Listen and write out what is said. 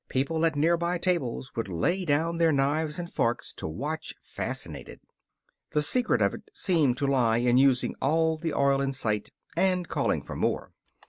People at near by tables would lay down their knives and forks to watch, fascinated. The secret of it seemed to lie in using all the oil in sight and calling for more.